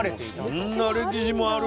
あっそんな歴史もある。